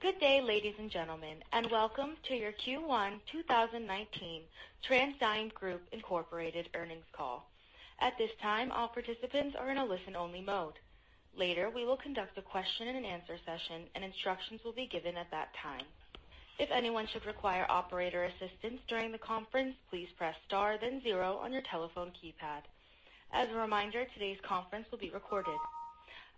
Good day, ladies and gentlemen, and welcome to your Q1 2019 TransDigm Group Incorporated earnings call. At this time, all participants are in a listen-only mode. Later, we will conduct a question and answer session, and instructions will be given at that time. If anyone should require operator assistance during the conference, please press star then zero on your telephone keypad. As a reminder, today's conference will be recorded.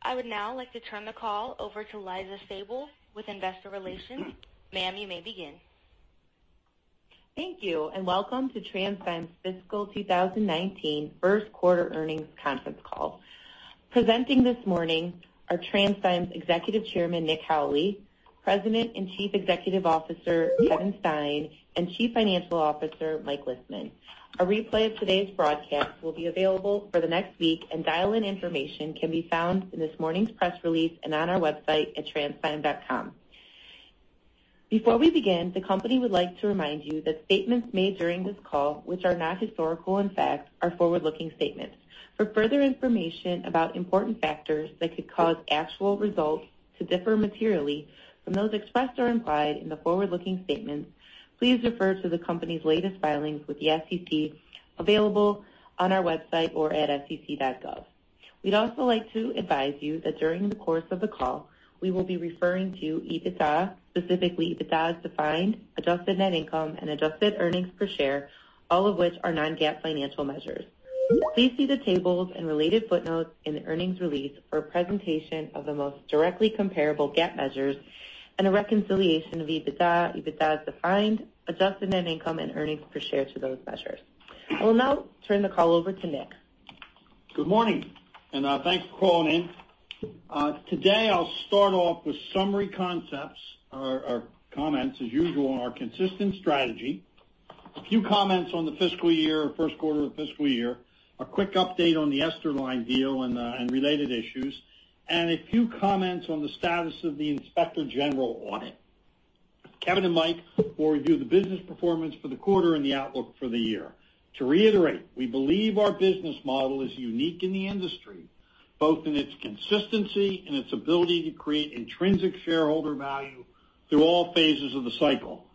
I would now like to turn the call over to Liza Sabol with Investor Relations. Ma'am, you may begin. Thank you, and welcome to TransDigm's fiscal 2019 first quarter earnings conference call. Presenting this morning are TransDigm's Executive Chairman, Nick Howley, President and Chief Executive Officer, Kevin Stein, and Chief Financial Officer, Mike Lisman. A replay of today's broadcast will be available for the next week, and dial-in information can be found in this morning's press release and on our website at transdigm.com. Before we begin, the company would like to remind you that statements made during this call, which are not historical in fact, are forward-looking statements. For further information about important factors that could cause actual results to differ materially from those expressed or implied in the forward-looking statements, please refer to the company's latest filings with the SEC, available on our website or at sec.gov. We'd also like to advise that during the course of the call, we will be referring to EBITDA, specifically EBITDA as defined, adjusted net income, and adjusted earnings per share, all of which are non-GAAP financial measures. Please see the tables and related footnotes in the earnings release for a presentation of the most directly comparable GAAP measures and a reconciliation of EBITDA as defined, adjusted net income, and earnings per share to those measures. I will now turn the call over to Nick. Good morning, and thanks for calling in. Today, I'll start off with summary concepts or comments, as usual, on our consistent strategy, a few comments on the first quarter of the fiscal year, a quick update on the Esterline deal and related issues, and a few comments on the status of the Inspector General audit. Kevin and Mike will review the business performance for the quarter and the outlook for the year. To reiterate, we believe our business model is unique in the industry, both in its consistency and its ability to create intrinsic shareholder value through all phases of the cycle.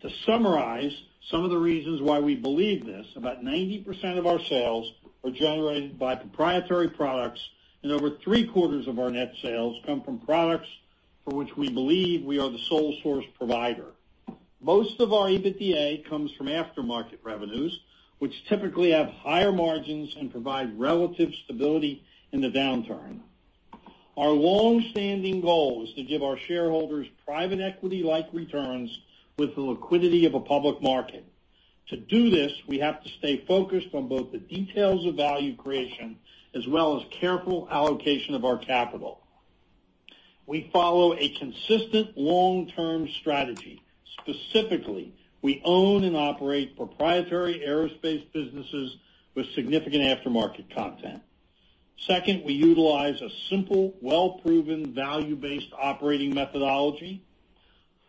To summarize some of the reasons why we believe this, about 90% of our sales are generated by proprietary products, and over three-quarters of our net sales come from products for which we believe we are the sole source provider. Most of our EBITDA comes from aftermarket revenues, which typically have higher margins and provide relative stability in the downturn. Our long-standing goal is to give our shareholders private equity-like returns with the liquidity of a public market. To do this, we have to stay focused on both the details of value creation as well as careful allocation of our capital. We follow a consistent long-term strategy. Specifically, we own and operate proprietary aerospace businesses with significant aftermarket content. Second, we utilize a simple, well-proven, value-based operating methodology.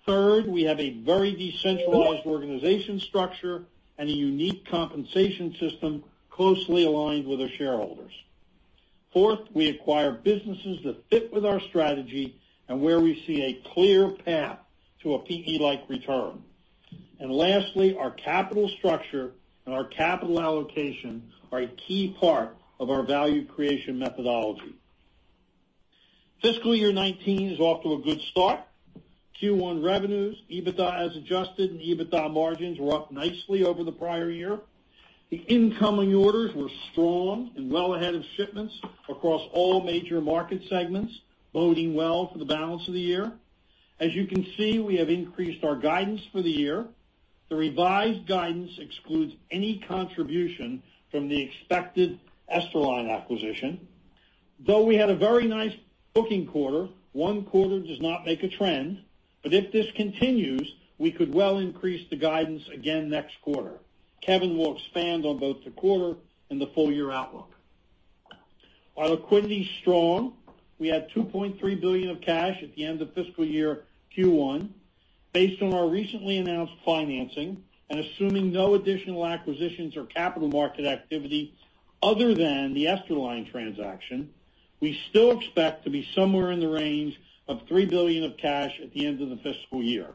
Third, we have a very decentralized organization structure and a unique compensation system closely aligned with our shareholders. Fourth, we acquire businesses that fit with our strategy and where we see a clear path to a PE-like return. Lastly, our capital structure and our capital allocation are a key part of our value creation methodology. Fiscal year 2019 is off to a good start. Q1 revenues, EBITDA as adjusted, and EBITDA margins were up nicely over the prior year. The incoming orders were strong and well ahead of shipments across all major market segments, boding well for the balance of the year. As you can see, we have increased our guidance for the year. The revised guidance excludes any contribution from the expected Esterline acquisition. Though we had a very nice booking quarter, one quarter does not make a trend, but if this continues, we could well increase the guidance again next quarter. Kevin will expand on both the quarter and the full-year outlook. Our liquidity is strong. We had $2.3 billion of cash at the end of fiscal year Q1. Based on our recently announced financing and assuming no additional acquisitions or capital market activity other than the Esterline transaction, we still expect to be somewhere in the range of $3 billion of cash at the end of the fiscal year.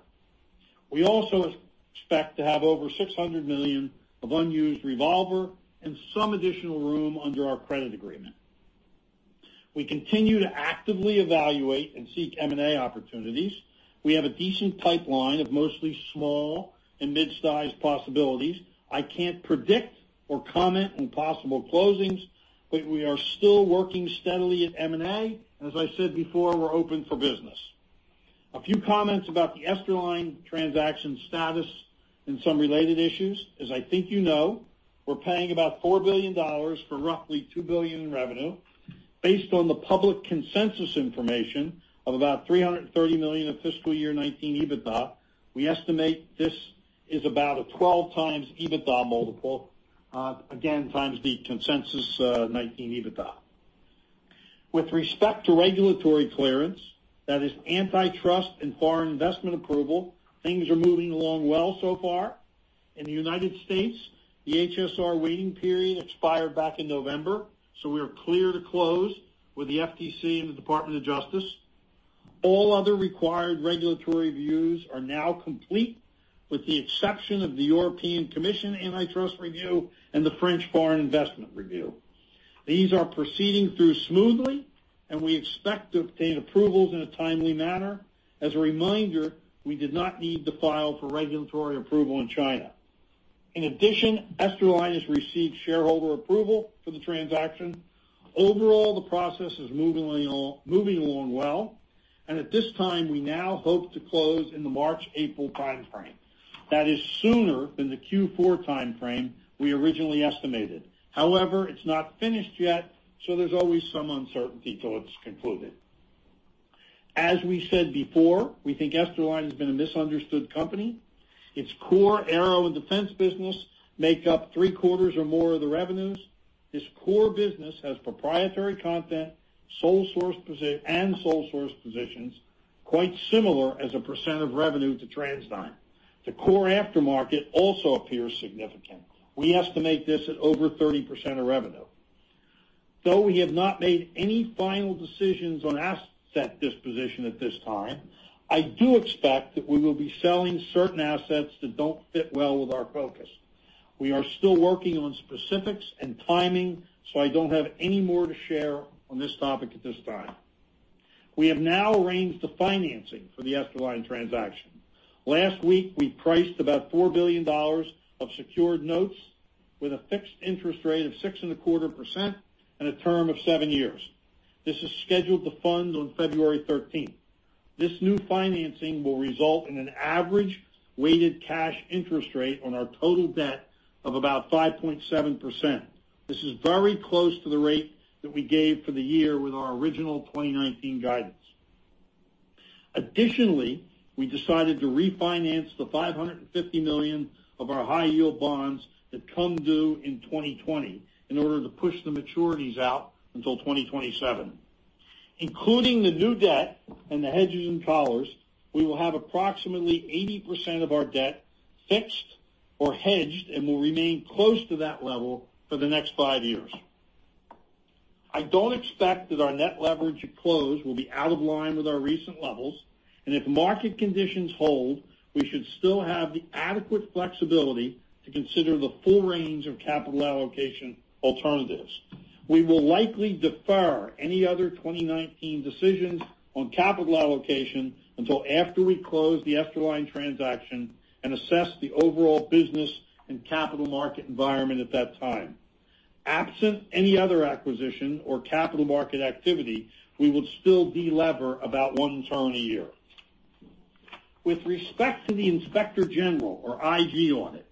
We also expect to have over $600 million of unused revolver and some additional room under our credit agreement. We continue to actively evaluate and seek M&A opportunities. We have a decent pipeline of mostly small and mid-sized possibilities. I can't predict or comment on possible closings, but we are still working steadily at M&A. As I said before, we're open for business. A few comments about the Esterline transaction status and some related issues. As I think you know, we're paying about $4 billion for roughly $2 billion in revenue. Based on the public consensus information of about $330 million of fiscal year 2019 EBITDA, we estimate this is about a 12x EBITDA multiple, again, times the consensus 2019 EBITDA. With respect to regulatory clearance, that is antitrust and foreign investment approval, things are moving along well so far. In the U.S., the HSR waiting period expired back in November, so we are clear to close with the FTC and the Department of Justice. All other required regulatory reviews are now complete, with the exception of the European Commission Antitrust Review and the French Foreign Investment Review. These are proceeding through smoothly, and we expect to obtain approvals in a timely manner. As a reminder, we did not need to file for regulatory approval in China. In addition, Esterline has received shareholder approval for the transaction. Overall, the process is moving along well. At this time, we now hope to close in the March-April time frame. That is sooner than the Q4 time frame we originally estimated. However, it's not finished yet, so there's always some uncertainty till it's concluded. As we said before, we think Esterline has been a misunderstood company. Its core aero and defense business make up three-quarters or more of the revenues. This core business has proprietary content and sole source positions, quite similar as a percent of revenue to TransDigm. The core aftermarket also appears significant. We estimate this at over 30% of revenue. Though we have not made any final decisions on asset disposition at this time, I do expect that we will be selling certain assets that don't fit well with our focus. We are still working on specifics and timing, so I don't have any more to share on this topic at this time. We have now arranged the financing for the Esterline transaction. Last week, we priced about $4 billion of secured notes with a fixed interest rate of 6.25% and a term of seven years. This is scheduled to fund on February 13th. This new financing will result in an average weighted cash interest rate on our total debt of about 5.7%. This is very close to the rate that we gave for the year with our original 2019 guidance. Additionally, we decided to refinance the $550 million of our high-yield bonds that come due in 2020 in order to push the maturities out until 2027. Including the new debt and the hedges and collars, we will have approximately 80% of our debt fixed or hedged and will remain close to that level for the next five years. I don't expect that our net leverage at close will be out of line with our recent levels, and if market conditions hold, we should still have the adequate flexibility to consider the full range of capital allocation alternatives. We will likely defer any other 2019 decisions on capital allocation until after we close the Esterline transaction and assess the overall business and capital market environment at that time. Absent any other acquisition or capital market activity, we would still de-lever about one turn a year. With respect to the Inspector General or IG audit,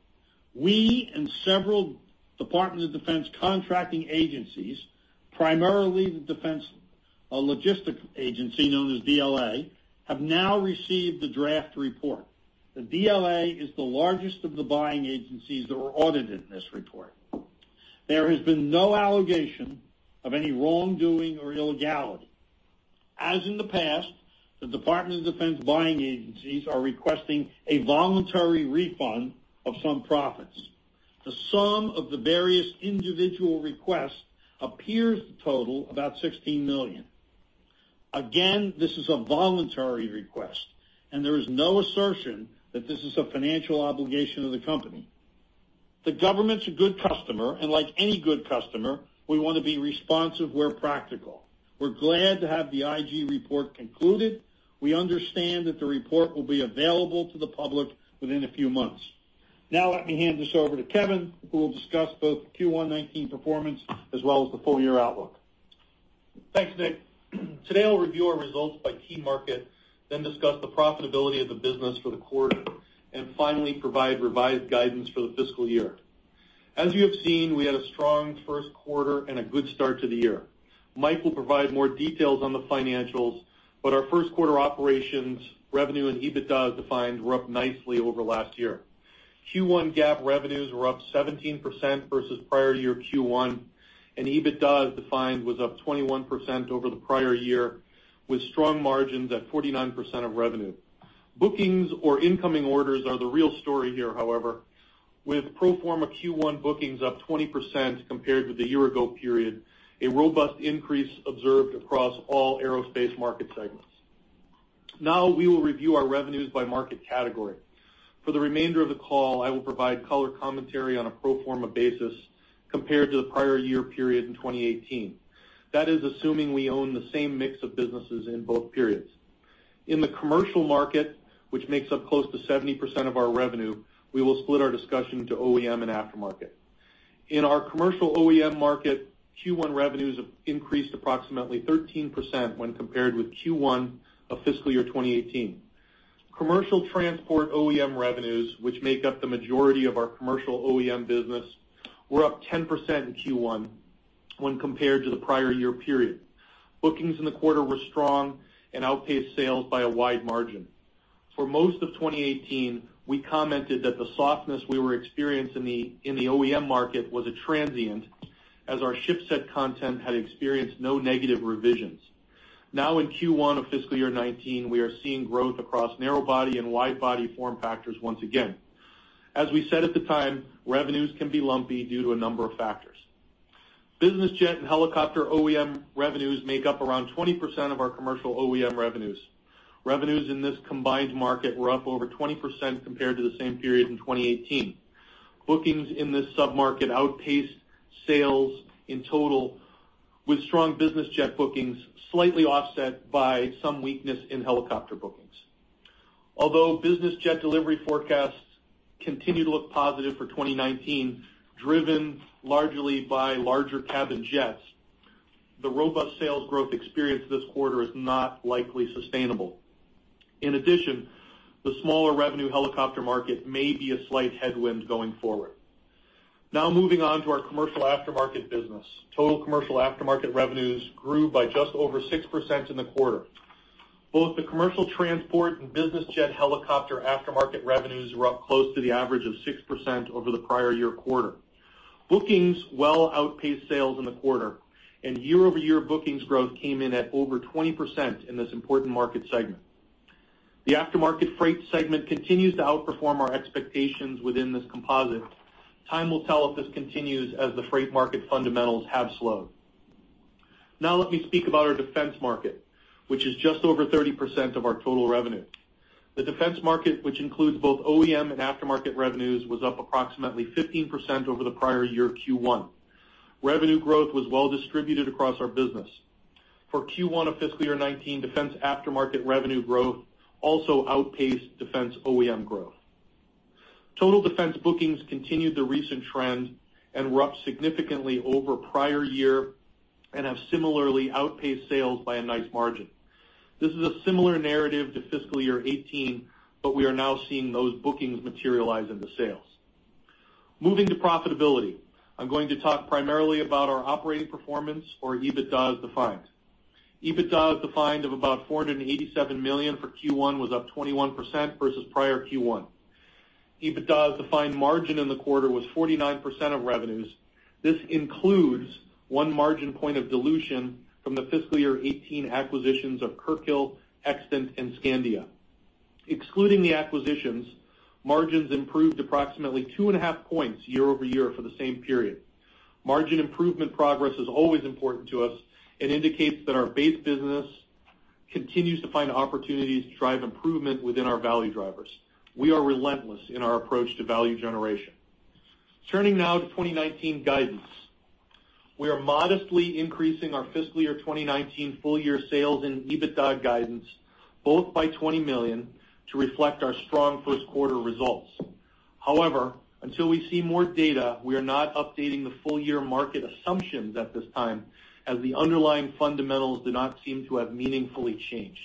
we and several Department of Defense contracting agencies, primarily the Defense Logistics Agency, known as DLA, have now received the draft report. The DLA is the largest of the buying agencies that were audited in this report. There has been no allegation of any wrongdoing or illegality. As in the past, the Department of Defense buying agencies are requesting a voluntary refund of some profits. The sum of the various individual requests appears to total about $16 million. Again, this is a voluntary request, and there is no assertion that this is a financial obligation of the company. The government's a good customer, and like any good customer, we want to be responsive where practical. We're glad to have the IG report concluded. We understand that the report will be available to the public within a few months. Now let me hand this over to Kevin, who will discuss both the Q1 2019 performance as well as the full year outlook. Thanks, Nick. Today, I'll review our results by key market, then discuss the profitability of the business for the quarter, and finally provide revised guidance for the fiscal year. As you have seen, we had a strong first quarter and a good start to the year. Mike will provide more details on the financials, but our first quarter operations revenue and EBITDA as defined were up nicely over last year. Q1 GAAP revenues were up 17% versus prior year Q1, and EBITDA, as defined, was up 21% over the prior year, with strong margins at 49% of revenue. Bookings or incoming orders are the real story here, however, with pro forma Q1 bookings up 20% compared with the year ago period, a robust increase observed across all aerospace market segments. We will review our revenues by market category. For the remainder of the call, I will provide color commentary on a pro forma basis compared to the prior year period in 2018. That is assuming we own the same mix of businesses in both periods. In the commercial market, which makes up close to 70% of our revenue, we will split our discussion into OEM and aftermarket. In our commercial OEM market, Q1 revenues increased approximately 13% when compared with Q1 of fiscal year 2018. Commercial transport OEM revenues, which make up the majority of our commercial OEM business, were up 10% in Q1 when compared to the prior year period. Bookings in the quarter were strong and outpaced sales by a wide margin. For most of 2018, we commented that the softness we were experiencing in the OEM market was transient as our shipset content had experienced no negative revisions. In Q1 of fiscal year 2019, we are seeing growth across narrow body and wide body form factors once again. As we said at the time, revenues can be lumpy due to a number of factors. Business jet and helicopter OEM revenues make up around 20% of our commercial OEM revenues. Revenues in this combined market were up over 20% compared to the same period in 2018. Bookings in this sub-market outpaced sales in total, with strong business jet bookings slightly offset by some weakness in helicopter bookings. Although business jet delivery forecasts continue to look positive for 2019, driven largely by larger cabin jets, the robust sales growth experienced this quarter is not likely sustainable. In addition, the smaller revenue helicopter market may be a slight headwind going forward. Moving on to our commercial aftermarket business. Total commercial aftermarket revenues grew by just over 6% in the quarter. Both the commercial transport and business jet helicopter aftermarket revenues were up close to the average of 6% over the prior year quarter. Bookings well outpaced sales in the quarter, and YoY bookings growth came in at over 20% in this important market segment. The aftermarket freight segment continues to outperform our expectations within this composite. Time will tell if this continues as the freight market fundamentals have slowed. Let me speak about our defense market, which is just over 30% of our total revenue. The defense market, which includes both OEM and aftermarket revenues, was up approximately 15% over the prior year Q1. Revenue growth was well distributed across our business. For Q1 of fiscal year 2019, defense aftermarket revenue growth also outpaced defense OEM growth. Total defense bookings continued the recent trend and were up significantly over prior year and have similarly outpaced sales by a nice margin. This is a similar narrative to fiscal year 2018, but we are now seeing those bookings materialize into sales. Moving to profitability. I am going to talk primarily about our operating performance or EBITDA as defined. EBITDA as defined of about $487 million for Q1 was up 21% versus prior Q1. EBITDA as defined margin in the quarter was 49% of revenues. This includes one margin point of dilution from the fiscal year 2018 acquisitions of Kirkhill, Extant, and Skandia. Excluding the acquisitions, margins improved approximately 2.5 points YoY for the same period. Margin improvement progress is always important to us and indicates that our base business continues to find opportunities to drive improvement within our value drivers. We are relentless in our approach to value generation. Turning now to 2019 guidance. We are modestly increasing our fiscal year 2019 full year sales and EBITDA guidance both by $20 million to reflect our strong first quarter results. Until we see more data, we are not updating the full year market assumptions at this time, as the underlying fundamentals do not seem to have meaningfully changed.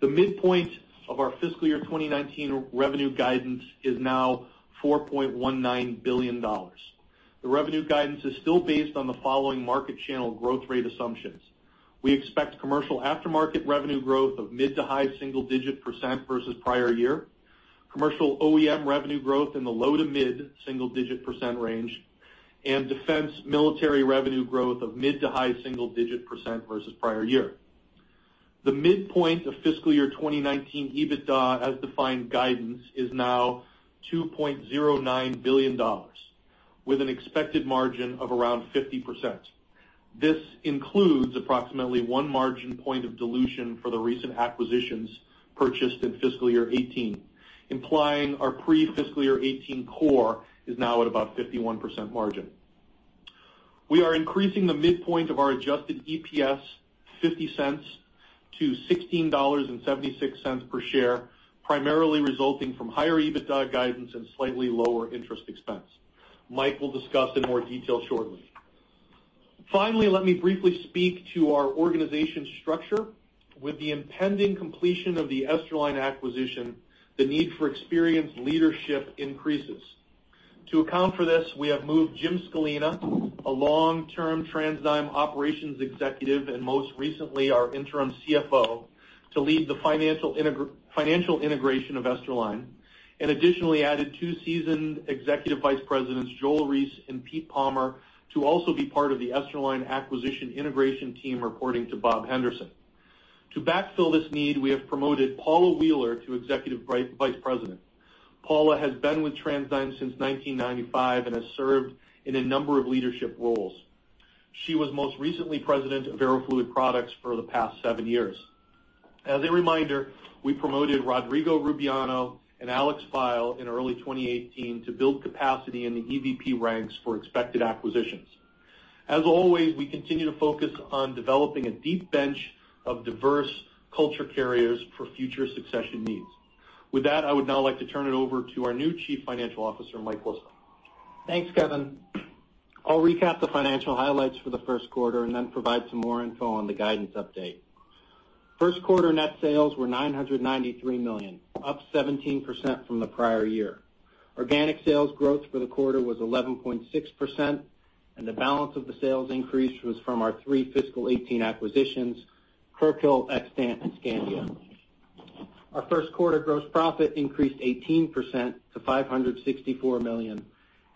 The midpoint of our fiscal year 2019 revenue guidance is now $4.19 billion. The revenue guidance is still based on the following market channel growth rate assumptions. We expect commercial aftermarket revenue growth of mid to high single-digit percent versus prior year, commercial OEM revenue growth in the low to mid single-digit percent range, and defense military revenue growth of mid to high single-digit percent versus prior year. The midpoint of fiscal year 2019 EBITDA as defined guidance is now $2.09 billion, with an expected margin of around 50%. This includes approximately one margin point of dilution for the recent acquisitions purchased in fiscal year 2018, implying our pre-fiscal year 2018 core is now at about 51% margin. We are increasing the midpoint of our adjusted EPS $0.50 to $16.76 per share, primarily resulting from higher EBITDA guidance and slightly lower interest expense. Mike will discuss in more detail shortly. Let me briefly speak to our organization structure. With the impending completion of the Esterline acquisition, the need for experienced leadership increases. To account for this, we have moved Jim Skulina, a long-term TransDigm operations executive, and most recently our interim Chief Financial Officer, to lead the financial integration of Esterline, and additionally added two seasoned Executive Vice Presidents, Joel Reiss and Pete Palmer, to also be part of the Esterline acquisition integration team, reporting to Bob Henderson. To backfill this need, we have promoted Paula Wheeler to Executive Vice President. Paula has been with TransDigm since 1995 and has served in a number of leadership roles. She was most recently President of Aero Fluid Products for the past seven years. As a reminder, we promoted Rodrigo Rubiano and Alex Feil in early 2018 to build capacity in the Executive Vice President ranks for expected acquisitions. We continue to focus on developing a deep bench of diverse culture carriers for future succession needs. With that, I would now like to turn it over to our new Chief Financial Officer, Mike Lisman. Thanks, Kevin. I'll recap the financial highlights for the first quarter and then provide some more info on the guidance update. First quarter net sales were $993 million, up 17% from the prior year. Organic sales growth for the quarter was 11.6%, and the balance of the sales increase was from our three fiscal 2018 acquisitions, Kirkhill, Extant, and Skandia. Our first quarter gross profit increased 18% to $564 million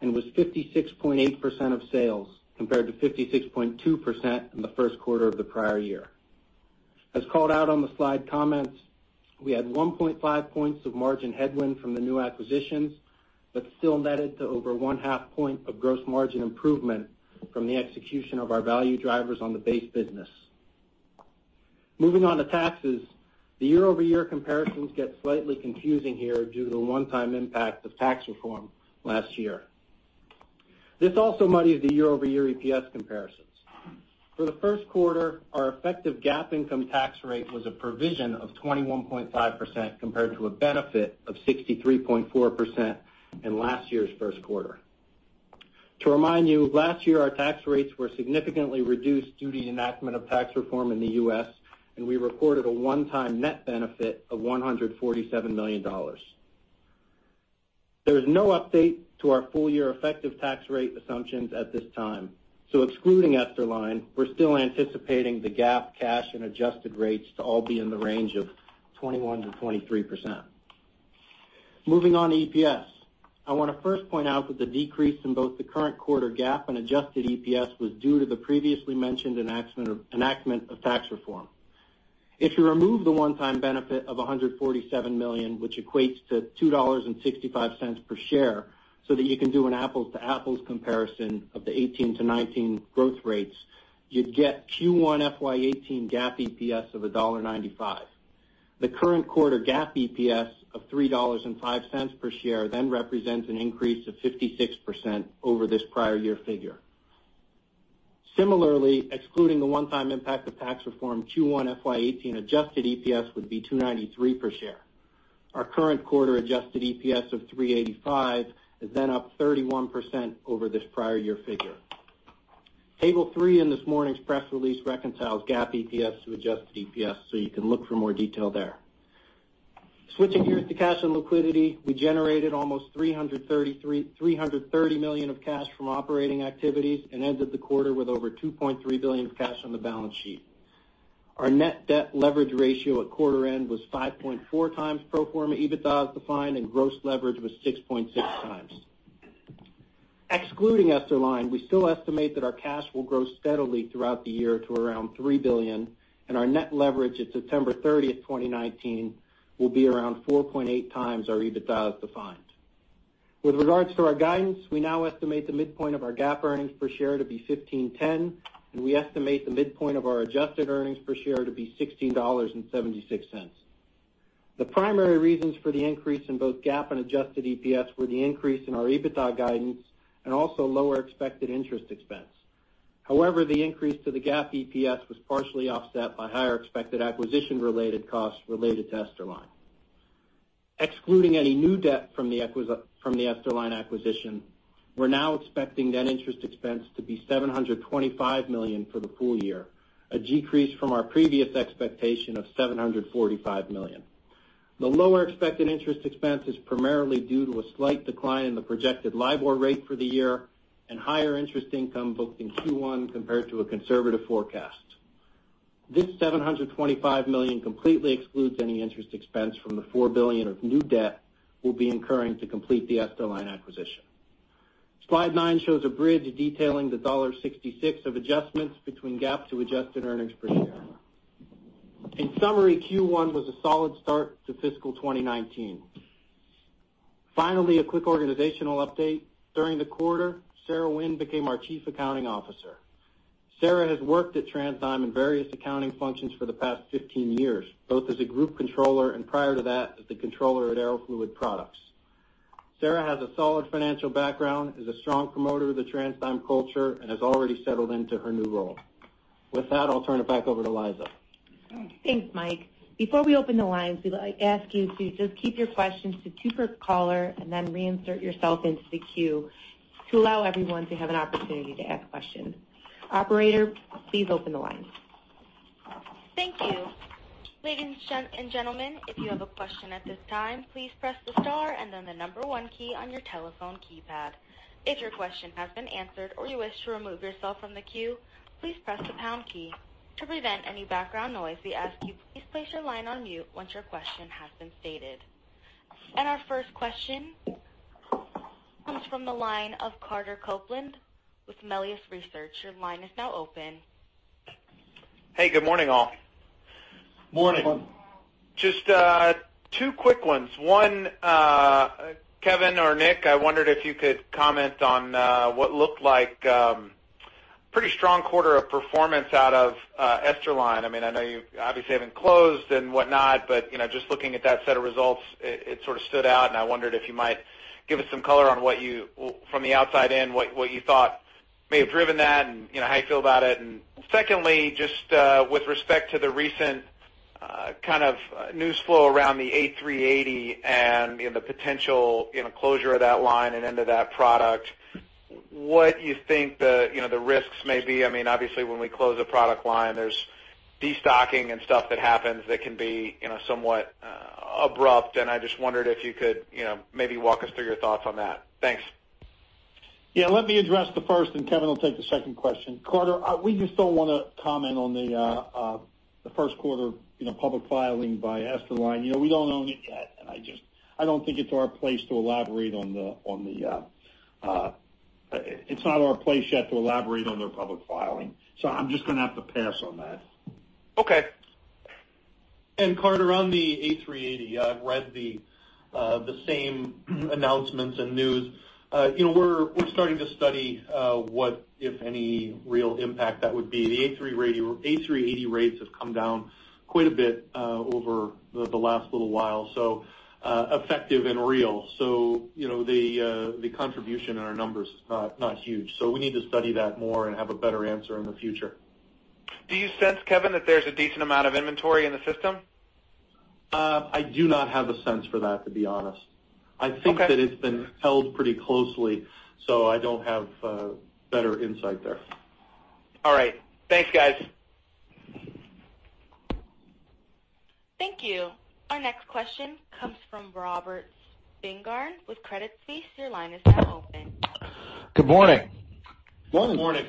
and was 56.8% of sales, compared to 56.2% in the first quarter of the prior year. As called out on the slide comments, we had 1.5 points of margin headwind from the new acquisitions, but still netted to over one-half point of gross margin improvement from the execution of our value drivers on the base business. Moving on to taxes. The YoY comparisons get slightly confusing here due to the one-time impact of tax reform last year. This also muddies the YoY EPS comparisons. For the first quarter, our effective GAAP income tax rate was a provision of 21.5%, compared to a benefit of 63.4% in last year's first quarter. To remind you, last year, our tax rates were significantly reduced due to the enactment of tax reform in the U.S., and we reported a one-time net benefit of $147 million. There is no update to our full-year effective tax rate assumptions at this time. Excluding Esterline, we're still anticipating the GAAP, cash, and adjusted rates to all be in the range of 21%-23%. Moving on to EPS. I want to first point out that the decrease in both the current quarter GAAP and adjusted EPS was due to the previously mentioned enactment of tax reform. If you remove the one-time benefit of $147 million, which equates to $2.65 per share, that you can do an apples-to-apples comparison of the 2018-2019 growth rates, you'd get Q1 FY 2018 GAAP EPS of $1.95. The current quarter GAAP EPS of $3.05 per share then represents an increase of 56% over this prior year figure. Similarly, excluding the one-time impact of tax reform, Q1 FY 2018 adjusted EPS would be $2.93 per share. Our current quarter adjusted EPS of $3.85 is then up 31% over this prior year figure. Table three in this morning's press release reconciles GAAP EPS to adjusted EPS, you can look for more detail there. Switching gears to cash and liquidity, we generated almost $330 million of cash from operating activities and ended the quarter with over $2.3 billion of cash on the balance sheet. Our net debt leverage ratio at quarter end was 5.4x pro forma EBITDA as defined, and gross leverage was 6.6x. Excluding Esterline, we still estimate that our cash will grow steadily throughout the year to around $3 billion, and our net leverage at September 30th, 2019 will be around 4.8x our EBITDA as defined. With regards to our guidance, we now estimate the midpoint of our GAAP EPS to be $15.10, and we estimate the midpoint of our adjusted EPS to be $16.76. The primary reasons for the increase in both GAAP and adjusted EPS were the increase in our EBITDA guidance and also lower expected interest expense. The increase to the GAAP EPS was partially offset by higher expected acquisition-related costs related to Esterline. Excluding any new debt from the Esterline acquisition, we're now expecting net interest expense to be $725 million for the full year, a decrease from our previous expectation of $745 million. The lower expected interest expense is primarily due to a slight decline in the projected LIBOR rate for the year and higher interest income booked in Q1 compared to a conservative forecast. This $725 million completely excludes any interest expense from the $4 billion of new debt we'll be incurring to complete the Esterline acquisition. Slide nine shows a bridge detailing the $1.66 of adjustments between GAAP to adjusted EPS. Q1 was a solid start to fiscal 2019. A quick organizational update. During the quarter, Sarah Wynne became our Chief Accounting Officer. Sarah Wynne has worked at TransDigm in various accounting functions for the past 15 years, both as a group controller and prior to that, as the controller at Aero Fluid Products. Sarah has a solid financial background, is a strong promoter of the TransDigm culture, and has already settled into her new role. I'll turn it back over to Liza. Thanks, Mike. Before we open the lines, we'd like to ask you to just keep your questions to two per caller and then reinsert yourself into the queue to allow everyone to have an opportunity to ask questions. Operator, please open the lines. Thank you. Ladies and gentlemen, if you have a question at this time, please press the star and then the number one key on your telephone keypad. If your question has been answered or you wish to remove yourself from the queue, please press the pound key. To prevent any background noise, we ask you please place your line on mute once your question has been stated. Our first question comes from the line of Carter Copeland with Melius Research. Your line is now open. Hey, good morning, all. Morning. Just two quick ones. One, Kevin or Nick, I wondered if you could comment on what looked like a pretty strong quarter of performance out of Esterline. I know you obviously haven't closed and whatnot, but just looking at that set of results, it sort of stood out, and I wondered if you might give us some color on what you, from the outside in, what you thought may have driven that and how you feel about it. Secondly, just with respect to the recent kind of news flow around the A380 and the potential closure of that line and end of that product, what you think the risks may be. Obviously, when we close a product line, there's de-stocking and stuff that happens that can be somewhat abrupt, and I just wondered if you could maybe walk us through your thoughts on that. Thanks. Yeah. Let me address the first, and Kevin will take the second question. Carter, we just don't want to comment on the first quarter public filing by Esterline. We don't own it yet, and I don't think it's our place yet to elaborate on their public filing. I'm just going to have to pass on that. Okay. Carter, on the A380, I've read the same announcements and news. We're starting to study what, if any, real impact that would be. The A380 rates have come down quite a bit over the last little while, effective and real. The contribution in our numbers is not huge. We need to study that more and have a better answer in the future. Do you sense, Kevin, that there's a decent amount of inventory in the system? I do not have a sense for that, to be honest. Okay. I think that it's been held pretty closely. I don't have better insight there. All right. Thanks, guys. Thank you. Our next question comes from Robert Spingarn with Credit Suisse. Your line is now open. Good morning. Morning. Morning.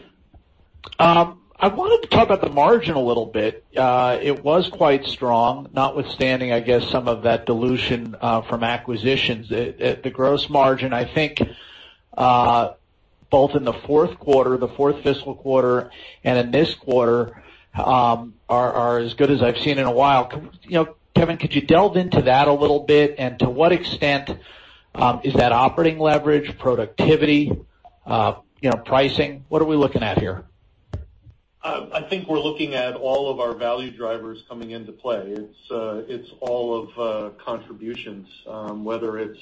I wanted to talk about the margin a little bit. It was quite strong, notwithstanding, I guess, some of that dilution from acquisitions. The gross margin, I think both in the fourth fiscal quarter and in this quarter, are as good as I've seen in a while. Kevin, could you delve into that a little bit, and to what extent is that operating leverage, productivity, pricing? What are we looking at here? I think we're looking at all of our value drivers coming into play. It's all of contributions, whether it's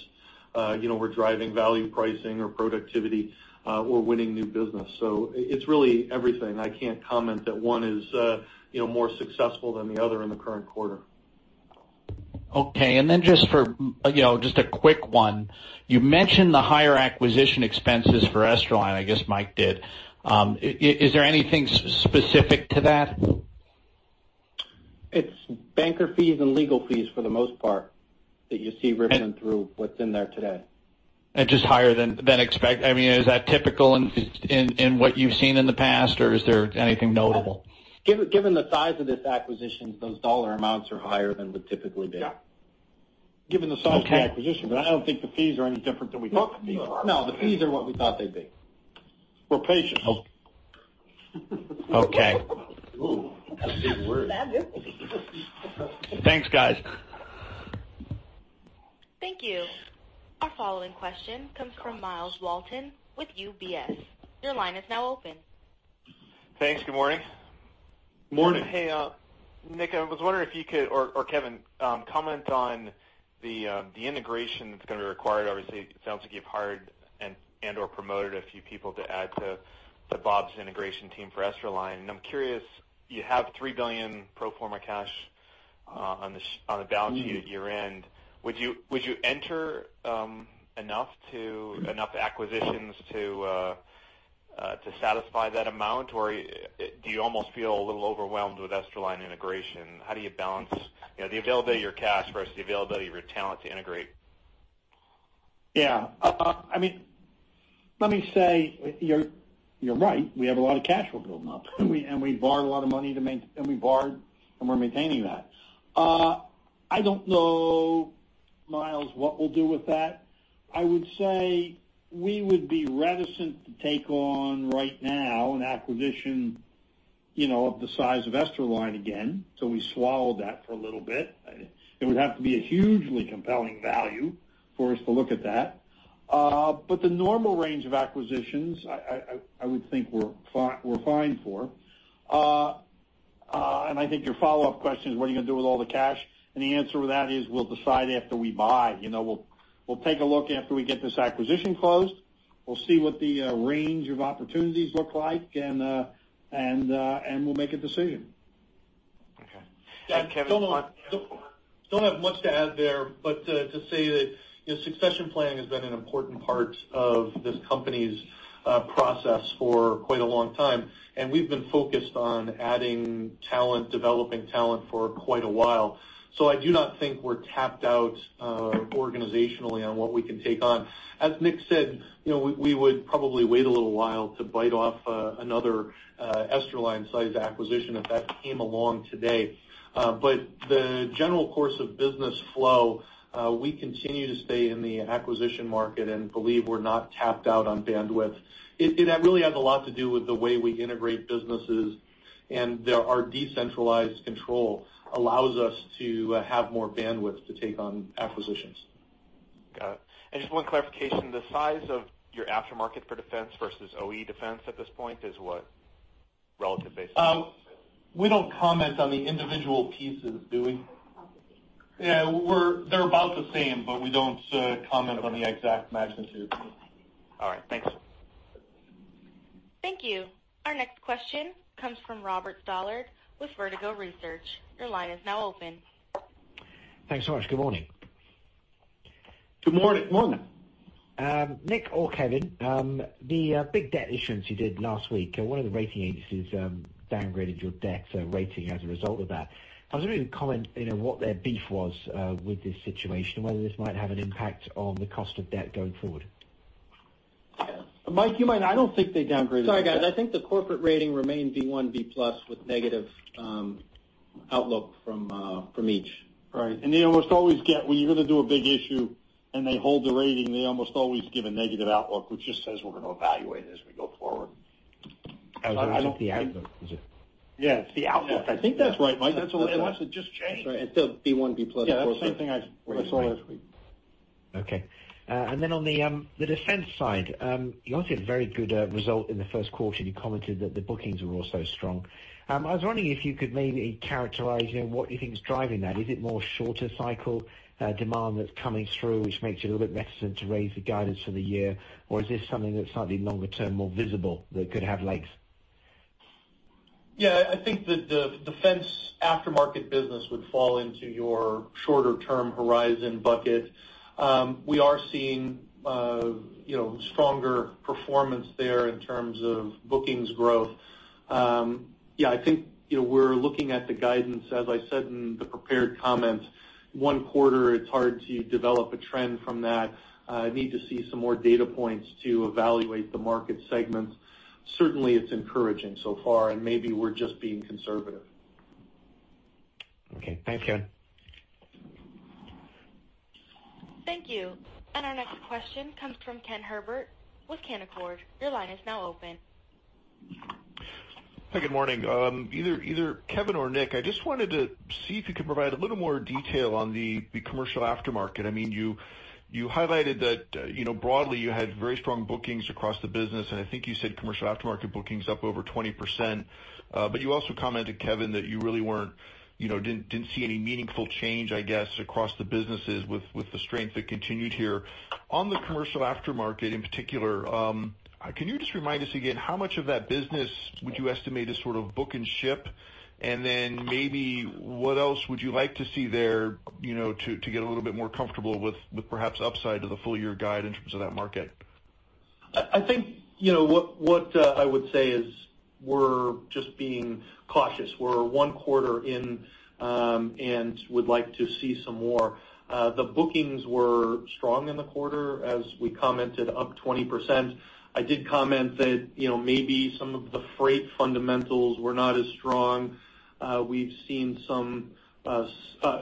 we're driving value pricing or productivity or winning new business. It's really everything. I can't comment that one is more successful than the other in the current quarter. Okay, just a quick one. You mentioned the higher acquisition expenses for Esterline. I guess Mike did. Is there anything specific to that? It's banker fees and legal fees for the most part that you see rippling through what's in there today. Just higher than expected. Is that typical in what you've seen in the past, or is there anything notable? Given the size of this acquisition, those dollar amounts are higher than would typically be. Yeah. Given the size of the acquisition. I don't think the fees are any different than we thought. No, the fees are what we thought they'd be. We're patient. Okay. That's big words. That is big. Thanks, guys. Thank you. Our following question comes from Myles Walton with UBS. Your line is now open. Thanks. Good morning. Morning. Hey, Nick, I was wondering if you could, or Kevin, comment on the integration that's going to be required. Obviously, it sounds like you've hired and/or promoted a few people to add to Bob's integration team for Esterline. I'm curious, you have $3 billion pro forma cash on the balance sheet at year-end. Would you enter enough acquisitions to satisfy that amount, or do you almost feel a little overwhelmed with Esterline integration? How do you balance the availability of your cash versus the availability of your talent to integrate? Yeah. Let me say, you're right. We have a lot of cash flow building up, we've borrowed a lot of money, and we're maintaining that. I don't know, Myles, what we'll do with that. I would say we would be reticent to take on right now an acquisition of the size of Esterline again, till we swallow that for a little bit. It would have to be a hugely compelling value for us to look at that. The normal range of acquisitions, I would think we're fine for. I think your follow-up question is, what are you going to do with all the cash? The answer to that is we'll decide after we buy. We'll take a look after we get this acquisition closed. We'll see what the range of opportunities look like, we'll make a decision. Okay. Don't have much to add there, but to say that succession planning has been an important part of this company's process for quite a long time, we've been focused on adding talent, developing talent for quite a while. I do not think we're tapped out organizationally on what we can take on. As Nick said, we would probably wait a little while to bite off another Esterline-size acquisition if that came along today. The general course of business flow, we continue to stay in the acquisition market and believe we're not tapped out on bandwidth. It really has a lot to do with the way we integrate businesses, our decentralized control allows us to have more bandwidth to take on acquisitions. Got it. Just one clarification, the size of your aftermarket for defense versus OE defense at this point is what, relative basis? We don't comment on the individual pieces, do we? They're about the same. Yeah. They're about the same, but we don't comment on the exact magnitudes. All right. Thanks. Thank you. Our next question comes from Robert Stallard with Vertical Research. Your line is now open. Thanks so much. Good morning. Good morning. Morning. Nick or Kevin, the big debt issuance you did last week, one of the rating agencies downgraded your debt rating as a result of that. I was wondering if you could comment what their beef was with this situation and whether this might have an impact on the cost of debt going forward. Mike, you might know. I don't think they downgraded- Sorry, guys. I think the corporate rating remained B1, B+ with negative outlook from each. Right. They almost always get, when you're going to do a big issue and they hold the rating, they almost always give a negative outlook, which just says we're going to evaluate it as we go forward. I was going to say the outlook, is it? Yeah, it's the outlook. I think that's right, Mike. That's what it was. It just changed. Sorry. It's still B1, B+. Yeah, that's the same thing I saw this week. Okay. On the defense side, you obviously had a very good result in the first quarter. You commented that the bookings were also strong. I was wondering if you could maybe characterize what you think is driving that. Is it more shorter cycle demand that's coming through, which makes you a little bit reticent to raise the guidance for the year? Is this something that's slightly longer term, more visible that could have length? Yeah, I think that the defense aftermarket business would fall into your shorter term horizon bucket. We are seeing stronger performance there in terms of bookings growth. Yeah, I think, we're looking at the guidance, as I said in the prepared comments, one quarter, it's hard to develop a trend from that. Need to see some more data points to evaluate the market segments. Certainly, it's encouraging so far, and maybe we're just being conservative. Okay. Thanks, Kevin. Thank you. Our next question comes from Ken Herbert with Canaccord. Your line is now open. Hi, good morning. Either Kevin or Nick, I just wanted to see if you could provide a little more detail on the commercial aftermarket. You highlighted that broadly you had very strong bookings across the business, and I think you said commercial aftermarket bookings up over 20%. You also commented, Kevin, that you really didn't see any meaningful change, I guess, across the businesses with the strength that continued here. On the commercial aftermarket in particular, can you just remind us again, how much of that business would you estimate is sort of book and ship? Maybe what else would you like to see there, to get a little bit more comfortable with perhaps upside to the full year guide in terms of that market? I think, what I would say is we're just being cautious. We're one quarter in, and would like to see some more. The bookings were strong in the quarter, as we commented, up 20%. I did comment that maybe some of the freight fundamentals were not as strong. We've seen some,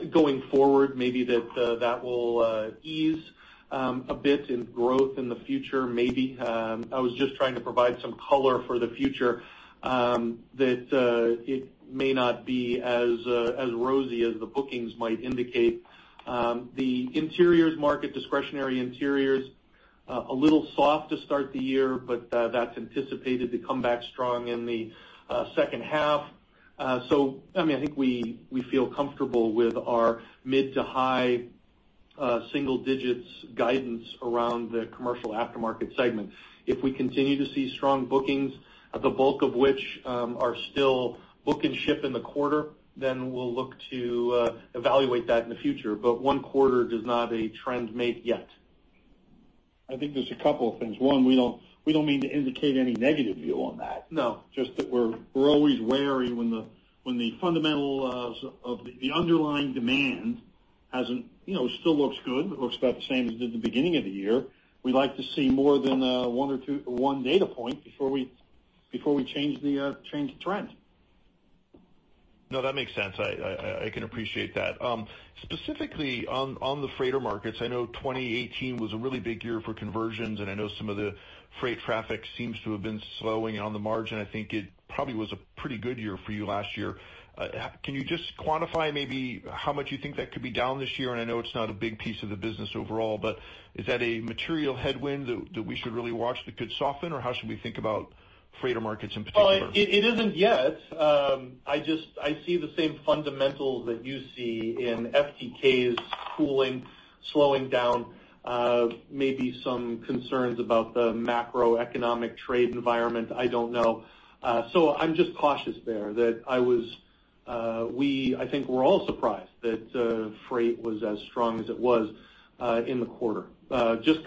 going forward maybe that will ease a bit in growth in the future, maybe. I was just trying to provide some color for the future, that it may not be as rosy as the bookings might indicate. The interiors market, discretionary interiors, a little soft to start the year, but that's anticipated to come back strong in the second half. I think we feel comfortable with our mid to high single digits guidance around the commercial aftermarket segment. If we continue to see strong bookings, the bulk of which are still book and ship in the quarter, then we'll look to evaluate that in the future. One quarter does not a trend make yet. I think there's a couple of things. One, we don't mean to indicate any negative view on that. No. That we're always wary when the fundamental of the underlying demand still looks good, looks about the same as it did at the beginning of the year. We like to see more than one data point before we change the trend. That makes sense. I can appreciate that. Specifically on the freighter markets, I know 2018 was a really big year for conversions. I know some of the freight traffic seems to have been slowing on the margin. I think it probably was a pretty good year for you last year. Can you just quantify maybe how much you think that could be down this year? I know it's not a big piece of the business overall, but is that a material headwind that we should really watch that could soften? How should we think about freighter markets in particular? It isn't yet. I see the same fundamentals that you see in FTK's cooling, slowing down. Maybe some concerns about the macroeconomic trade environment. I don't know. I'm just cautious there. I think we're all surprised that freight was as strong as it was in the quarter.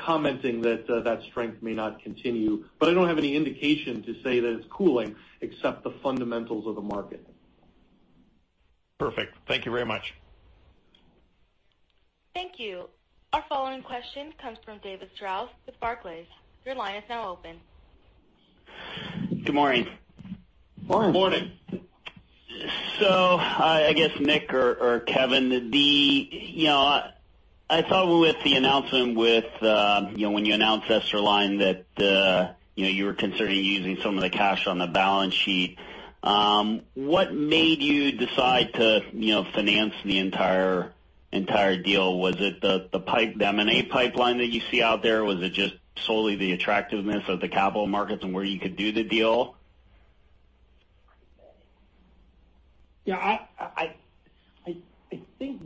Commenting that strength may not continue. I don't have any indication to say that it's cooling except the fundamentals of the market. Perfect. Thank you very much. Thank you. Our following question comes from David Strauss with Barclays. Your line is now open. Good morning. Morning. Morning. I guess Nick or Kevin, I thought with the announcement when you announced Esterline that you were considering using some of the cash on the balance sheet. What made you decide to finance the entire deal? Was it the M&A pipeline that you see out there? Was it just solely the attractiveness of the capital markets and where you could do the deal? Yeah, I think,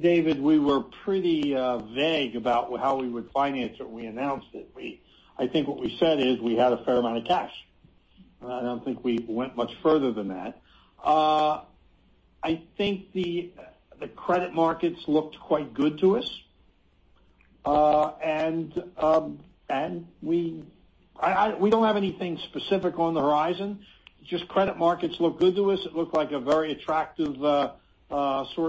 David, we were pretty vague about how we would finance it when we announced it. I think what we said is we had a fair amount of cash. I don't think we went much further than that. I think the credit markets looked quite good to us. We don't have anything specific on the horizon. Just credit markets looked good to us. It looked like a very attractive source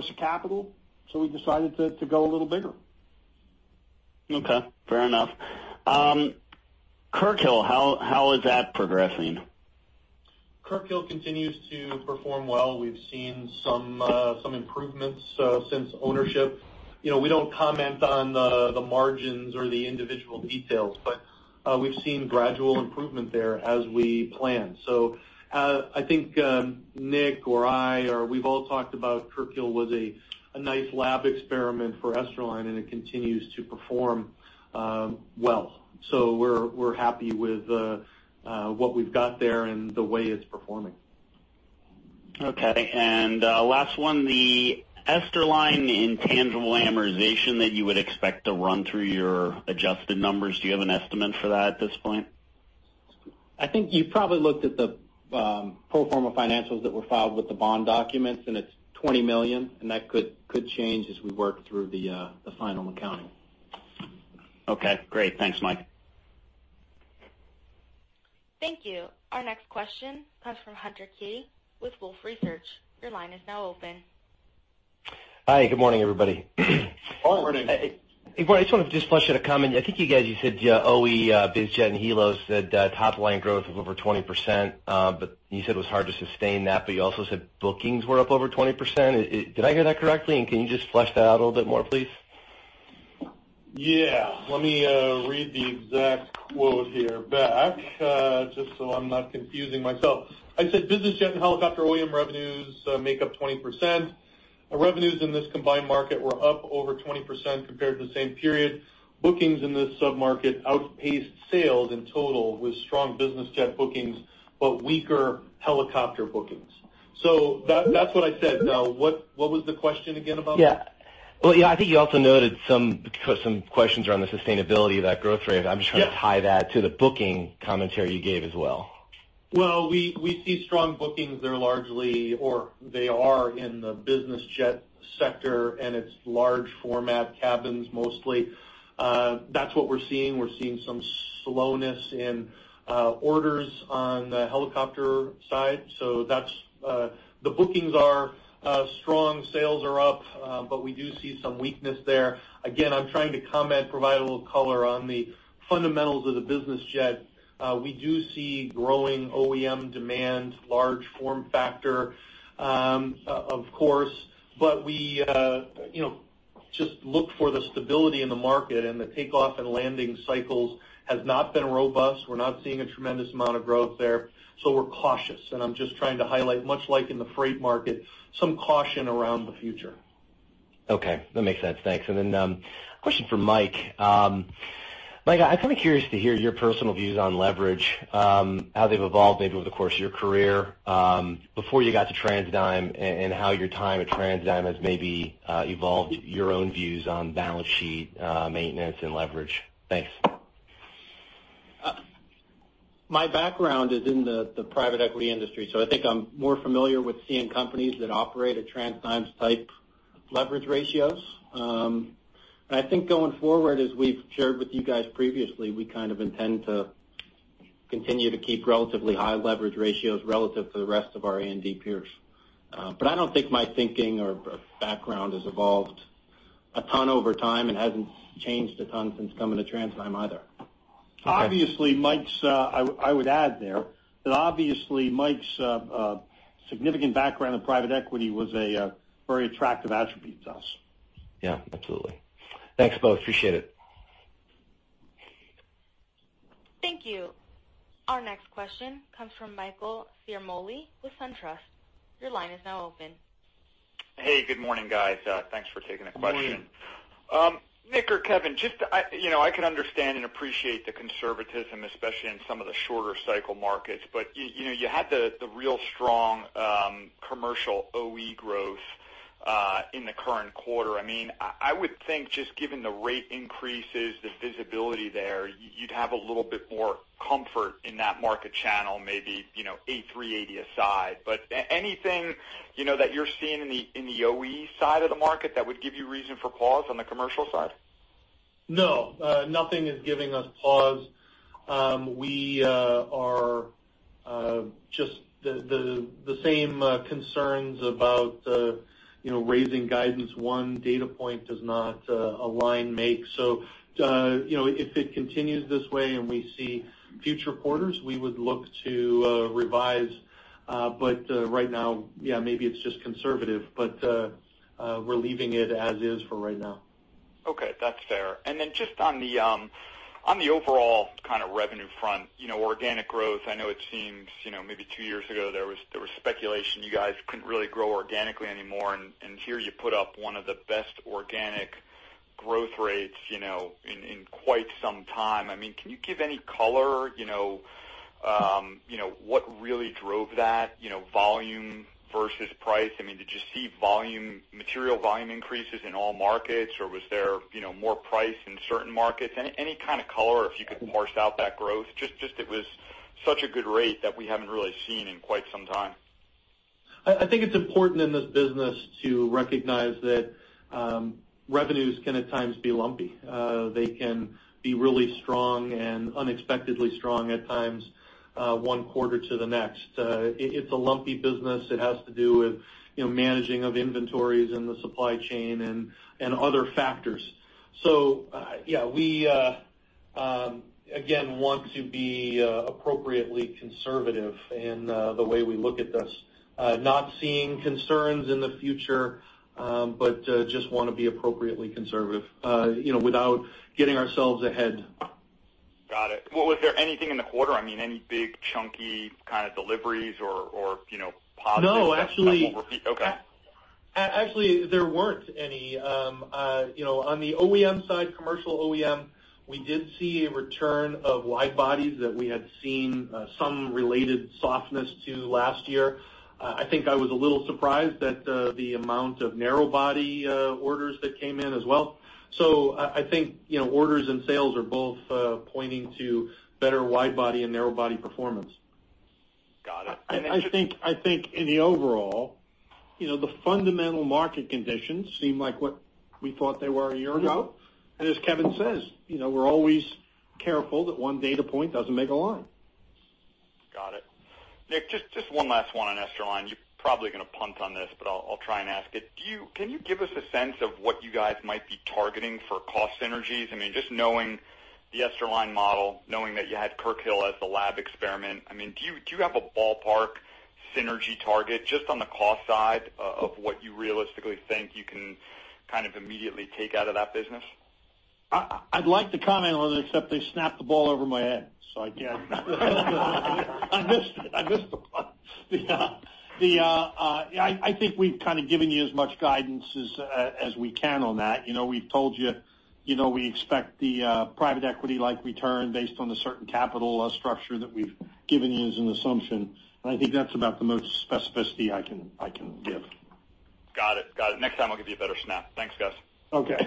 of capital. We decided to go a little bigger. Okay, fair enough. Kirkhill, how is that progressing? Kirkhill continues to perform well. We've seen some improvements since ownership. We don't comment on the margins or the individual details, but we've seen gradual improvement there as we plan. I think Nick or I or we've all talked about Kirkhill was a nice lab experiment for Esterline, and it continues to perform well. We're happy with what we've got there and the way it's performing. Okay. Last one, the Esterline intangible amortization that you would expect to run through your adjusted numbers. Do you have an estimate for that at this point? I think you probably looked at the pro forma financials that were filed with the bond documents, it's $20 million, and that could change as we work through the final accounting. Okay, great. Thanks, Mike. Thank you. Our next question comes from Hunter Keay with Wolfe Research. Your line is now open. Hi, good morning, everybody. Good morning. I just wanted to flesh out a comment. I think you guys, you said OE business jet and Helos, said top-line growth of over 20%, but you said it was hard to sustain that, but you also said bookings were up over 20%. Did I hear that correctly? Can you just flesh that out a little bit more, please? Yeah. Let me read the exact quote here back, just so I'm not confusing myself. I said business jet and helicopter OEM revenues make up 20%. Revenues in this combined market were up over 20% compared to the same period. Bookings in this sub-market outpaced sales in total, with strong business jet bookings but weaker helicopter bookings. That's what I said. Now, what was the question again about that? Yeah. Well, I think you also noted some questions around the sustainability of that growth rate. Yes. I'm just trying to tie that to the booking commentary you gave as well. Well, we see strong bookings. They're largely or they are in the business jet sector, and it's large format cabins, mostly. That's what we're seeing. We're seeing some slowness in orders on the helicopter side. The bookings are strong, sales are up, but we do see some weakness there. Again, I'm trying to comment, provide a little color on the fundamentals of the business jet. We do see growing OEM demand, large form factor, of course, but we just look for the stability in the market and the takeoff and landing cycles has not been robust. We're not seeing a tremendous amount of growth there. We're cautious, and I'm just trying to highlight, much like in the freight market, some caution around the future. Okay. That makes sense. Thanks. A question for Mike. Mike, I'm kind of curious to hear your personal views on leverage, how they've evolved maybe over the course of your career. Before you got to TransDigm and how your time at TransDigm has maybe evolved your own views on balance sheet maintenance and leverage. Thanks. My background is in the private equity industry, so I think I'm more familiar with seeing companies that operate at TransDigm's type leverage ratios. I think going forward, as we've shared with you guys previously, we kind of intend to continue to keep relatively high leverage ratios relative to the rest of our A&D peers. I don't think my thinking or background has evolved a ton over time and hasn't changed a ton since coming to TransDigm either. Obviously, I would add there that obviously Mike's significant background in private equity was a very attractive attribute to us. Yeah, absolutely. Thanks, both. Appreciate it. Thank you. Our next question comes from Michael Ciarmoli with SunTrust. Your line is now open. Hey, good morning, guys. Thanks for taking a question. Good morning. Nick or Kevin, I can understand and appreciate the conservatism, especially in some of the shorter cycle markets. You had the real strong commercial OE growth in the current quarter. I would think just given the rate increases, the visibility there, you'd have a little bit more comfort in that market channel, maybe A380 aside. Anything that you're seeing in the OE side of the market that would give you reason for pause on the commercial side? No, nothing is giving us pause. Just the same concerns about raising guidance one data point does not a line make. If it continues this way and we see future quarters, we would look to revise. Right now, yeah, maybe it's just conservative. We're leaving it as is for right now. Okay. That's fair. Then just on the overall kind of revenue front, organic growth, I know it seems maybe two years ago, there was speculation you guys couldn't really grow organically anymore, and here you put up one of the best organic growth rates in quite some time. Can you give any color what really drove that volume versus price? Did you see material volume increases in all markets, or was there more price in certain markets? Any kind of color, if you could parse out that growth. Just it was such a good rate that we haven't really seen in quite some time. I think it's important in this business to recognize that revenues can at times be lumpy. They can be really strong and unexpectedly strong at times one quarter to the next. It's a lumpy business. It has to do with managing of inventories and the supply chain and other factors. Yeah, we, again, want to be appropriately conservative in the way we look at this. Not seeing concerns in the future, but just want to be appropriately conservative, without getting ourselves ahead. Got it. Well, was there anything in the quarter, any big chunky kind of deliveries or? No. Okay. Actually, there weren't any. On the OEM side, commercial OEM, we did see a return of wide-bodies that we had seen some related softness to last year. I think I was a little surprised at the amount of narrow body orders that came in as well. I think, orders and sales are both pointing to better wide body and narrow body performance. Got it. I think in the overall, the fundamental market conditions seem like what we thought they were a year ago. As Kevin says, we're always careful that one data point doesn't make a line. Got it. Nick, just one last one on Esterline. You're probably going to punt on this, but I'll try and ask it. Can you give us a sense of what you guys might be targeting for cost synergies? Just knowing the Esterline model, knowing that you had Kirkhill as the lab experiment, do you have a ballpark synergy target just on the cost side of what you realistically think you can kind of immediately take out of that business? I'd like to comment on it, except they snapped the ball over my head. I can't. I missed it. I missed the punt. I think we've kind of given you as much guidance as we can on that. We've told you, we expect the private equity-like return based on the certain capital structure that we've given you as an assumption. I think that's about the most specificity I can give. Got it. Next time, I'll give you a better snap. Thanks, guys. Okay.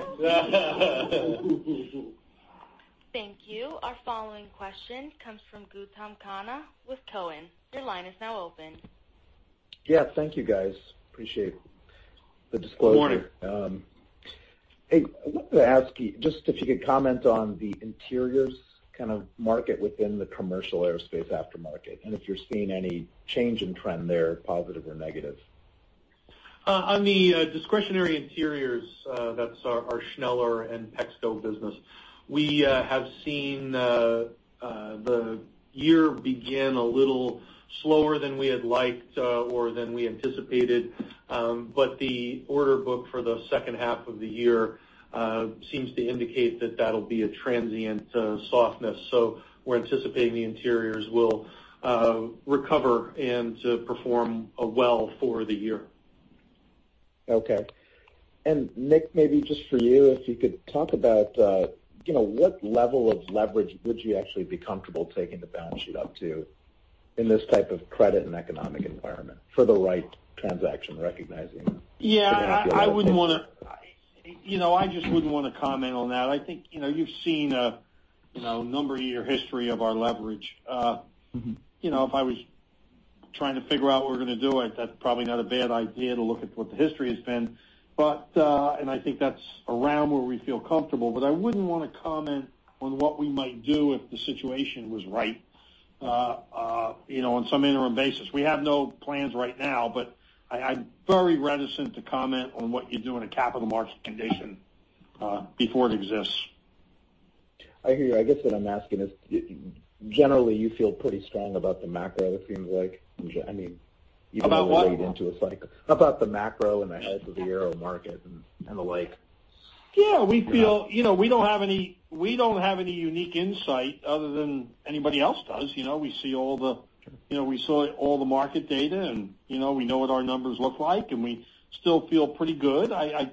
Thank you. Our following question comes from Gautam Khanna with Cowen. Your line is now open. Yeah, thank you guys. Appreciate the disclosure. Good morning. Hey, I wanted to ask just if you could comment on the interiors kind of market within the commercial aerospace aftermarket, and if you're seeing any change in trend there, positive or negative. On the discretionary interiors, that's our Schneller and Pexco business. We have seen the year begin a little slower than we had liked, or than we anticipated. The order book for the second half of the year seems to indicate that'll be a transient softness. We're anticipating the interiors will recover and perform well for the year. Okay. Nick, maybe just for you, if you could talk about what level of leverage would you actually be comfortable taking the balance sheet up to in this type of credit and economic environment for the right transaction, recognizing- Yeah, I just wouldn't want to comment on that. I think you've seen a number year history of our leverage. If I was trying to figure out what we're going to do, that's probably not a bad idea to look at what the history has been. I think that's around where we feel comfortable, but I wouldn't want to comment on what we might do if the situation was right on some interim basis. We have no plans right now, but I'm very reticent to comment on what you do in a capital market condition, before it exists. I hear you. I guess what I'm asking is, generally, you feel pretty strong about the macro, it seems like. About what? About the macro and the health of the aero market and the like- Yeah. We don't have any unique insight other than anybody else does. We saw all the market data, and we know what our numbers look like, and we still feel pretty good. I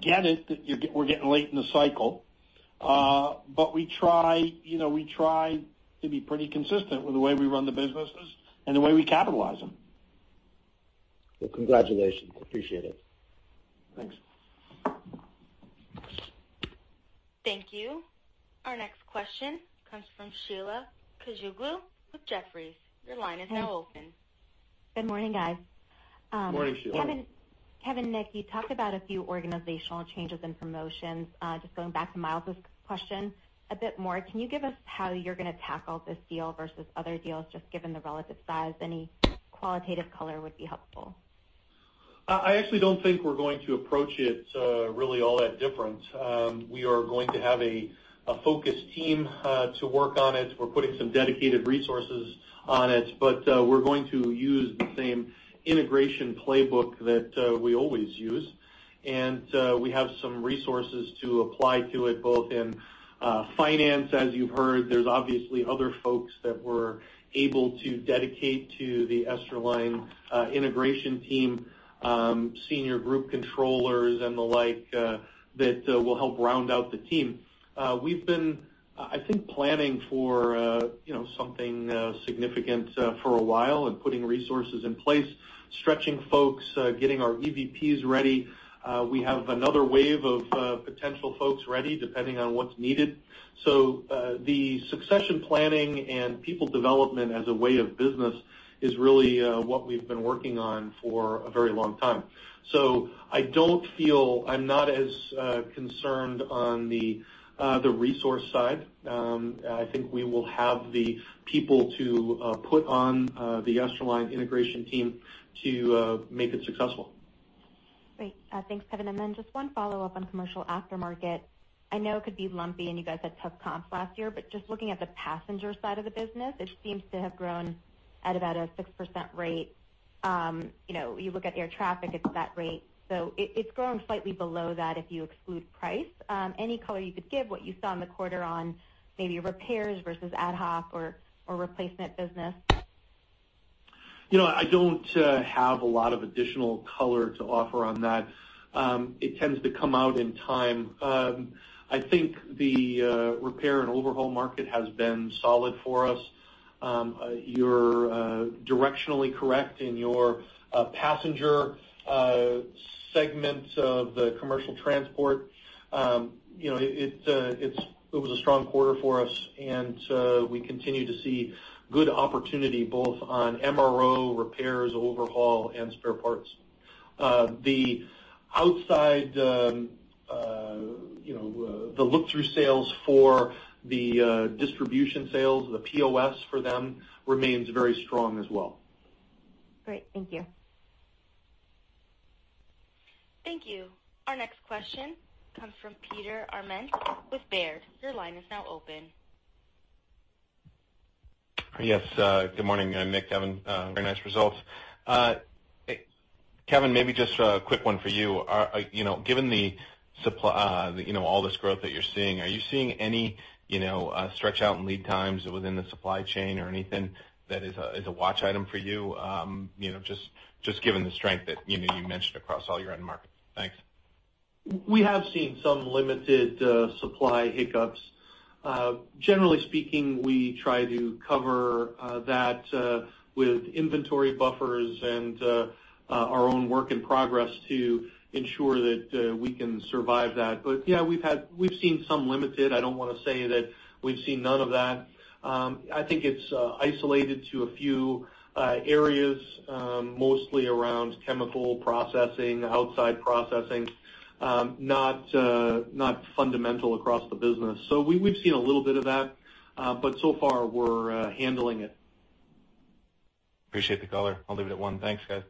get it that we're getting late in the cycle. We try to be pretty consistent with the way we run the businesses and the way we capitalize them. Well, congratulations. Appreciate it. Thanks. Thank you. Our next question comes from Sheila Kahyaoglu with Jefferies. Your line is now open. Good morning, guys. Morning, Sheila. Kevin, Nick, you talked about a few organizational changes and promotions. Just going back to Myles's question a bit more, can you give us how you're going to tackle this deal versus other deals, just given the relative size? Any qualitative color would be helpful. I actually don't think we're going to approach it really all that different. We are going to have a focused team to work on it. We're putting some dedicated resources on it. We're going to use the same integration playbook that we always use. We have some resources to apply to it, both in finance, as you've heard. There's obviously other folks that we're able to dedicate to the Esterline integration team, senior group controllers and the like, that will help round out the team. We've been, I think, planning for something significant for a while and putting resources in place, stretching folks, getting our Executive Vice Presidents ready. We have another wave of potential folks ready, depending on what's needed. The succession planning and people development as a way of business is really what we've been working on for a very long time. I'm not as concerned on the resource side. I think we will have the people to put on the Esterline integration team to make it successful. Great. Thanks, Kevin. Just one follow-up on commercial aftermarket. I know it could be lumpy, and you guys had tough comps last year, but just looking at the passenger side of the business, it seems to have grown at about a 6% rate. You look at air traffic, it's at that rate, so it's grown slightly below that if you exclude price. Any color you could give what you saw in the quarter on maybe repairs versus ad hoc or replacement business? I don't have a lot of additional color to offer on that. It tends to come out in time. I think the repair and overhaul market has been solid for us. You're directionally correct in your passenger segments of the commercial transport. It was a strong quarter for us, and we continue to see good opportunity both on MRO repairs, overhaul, and spare parts. The look-through sales for the distribution sales, the POS for them remains very strong as well. Great. Thank you. Thank you. Our next question comes from Peter Arment with Baird. Your line is now open. Yes. Good morning, Nick, Kevin. Very nice results. Kevin, maybe just a quick one for you. Given all this growth that you're seeing, are you seeing any stretch out in lead times within the supply chain or anything that is a watch item for you? Just given the strength that you mentioned across all your end markets. Thanks. We have seen some limited supply hiccups. Generally speaking, we try to cover that with inventory buffers and our own work in progress to ensure that we can survive that. Yeah, we've seen some limited, I don't want to say that we've seen none of that. I think it's isolated to a few areas, mostly around chemical processing, outside processing. Not fundamental across the business. We've seen a little bit of that. So far, we're handling it. Appreciate the color. I'll leave it at one. Thanks, guys.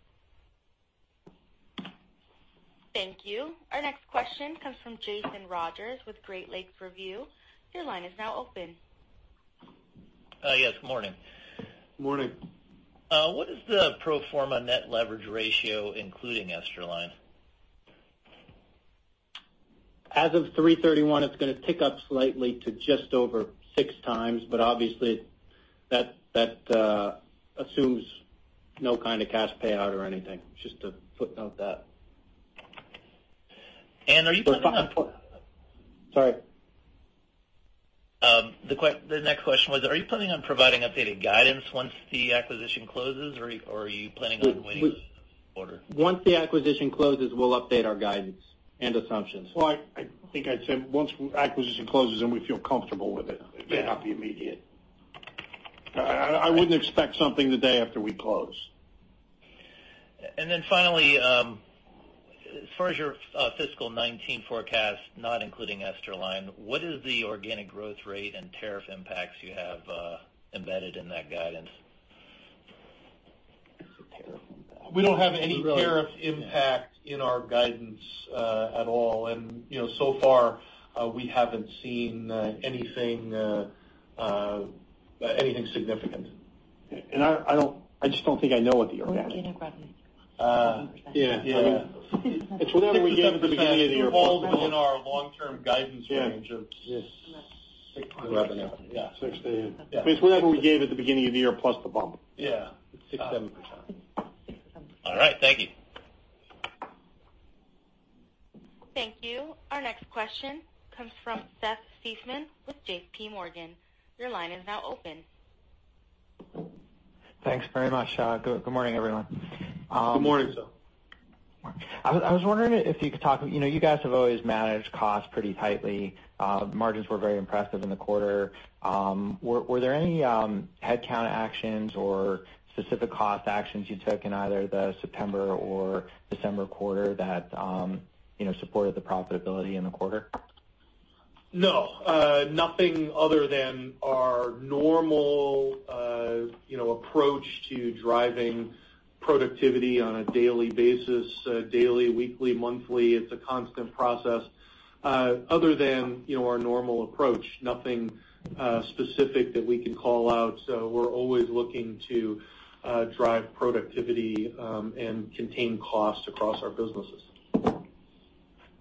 Thank you. Our next question comes from Jason Rogers with Great Lakes Review. Your line is now open. Yes. Good morning. Morning. What is the pro forma net leverage ratio, including Esterline? As of 3/31, it's going to tick up slightly to just over 6x. Obviously that assumes no kind of cash payout or anything. Just to footnote that. And, are you planning on- Sorry. The next question was, are you planning on providing updated guidance once the acquisition closes, or are you planning on waiting a quarter? Once the acquisition closes, we'll update our guidance and assumptions. Well, I think I'd say once acquisition closes and we feel comfortable with it. It may not be immediate. I wouldn't expect something the day after we close. Then finally, as far as your fiscal 2019 forecast, not including Esterline, what is the organic growth rate and tariff impacts you have embedded in that guidance? We don't have any tariff impact in our guidance at all. So far, we haven't seen anything significant. I just don't think I know what the organic- Organic revenue. Yeah. It's whatever we gave at the beginning of the year. It's involved in our long-term guidance range of- Revenue. Revenue. Yeah. 6%-7%. It's whatever we gave at the beginning of the year, plus the bump. Yeah. It's 6%-7%. All right. Thank you. Thank you. Our next question comes from Seth Seifman with JPMorgan. Your line is now open. Thanks very much. Good morning, everyone. Good morning, Seth. I was wondering if you could. You guys have always managed costs pretty tightly. Margins were very impressive in the quarter. Were there any headcount actions or specific cost actions you took in either the September or December quarter that supported the profitability in the quarter? No. Nothing other than our normal approach to driving productivity on a daily basis. Daily, weekly, monthly. It's a constant process. Other than our normal approach, nothing specific that we can call out. We're always looking to drive productivity and contain costs across our businesses.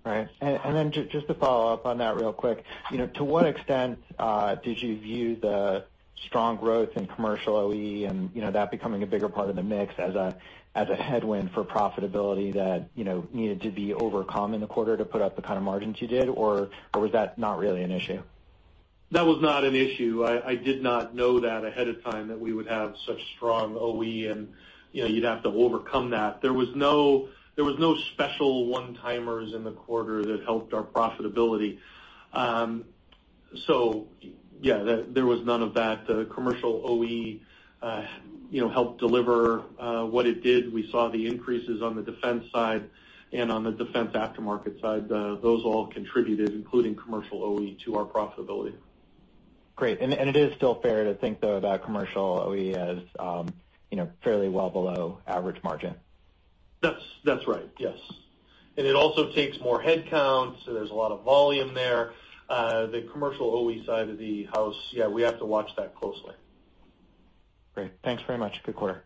Right. Just to follow-up on that real quick. To what extent did you view the strong growth in commercial OE and that becoming a bigger part of the mix as a headwind for profitability that needed to be overcome in the quarter to put up the kind of margins you did? Or was that not really an issue? That was not an issue. I did not know that ahead of time, that we would have such strong OE, and you'd have to overcome that. There was no special one-timers in the quarter that helped our profitability. Yeah, there was none of that. The commercial OE helped deliver what it did. We saw the increases on the Defense side and on the Defense aftermarket side. Those all contributed, including commercial OE, to our profitability. Great. It is still fair to think, though, that commercial OE is fairly well below average margin. That's right. Yes. It also takes more headcounts, so there's a lot of volume there. The commercial OE side of the house, yeah, we have to watch that closely. Great. Thanks very much. Good quarter.